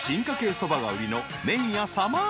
そばが売りの麺屋サマー